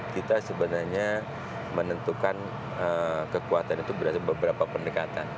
kita sebenarnya menentukan kekuatan itu berarti beberapa pendekatan